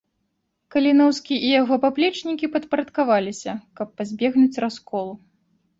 Каліноўскі і яго паплечнікі падпарадкаваліся, каб пазбегнуць расколу.